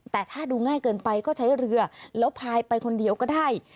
แต่ถ้าดูง่ายเกินไปก็ใช้เรือแล้วพายไปคนเดียวก็ได้